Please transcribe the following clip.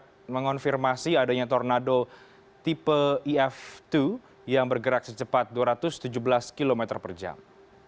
kita mengonfirmasi adanya tornado tipe if dua yang bergerak secepat dua ratus tujuh belas km per jam